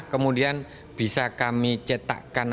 kemudian bisa kami cetakan